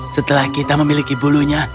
setelah kita memiliki bulunya